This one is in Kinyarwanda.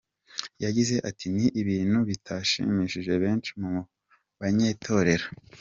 Yagize ati “Ni ibintu bitashimishije benshi mu banyetorero.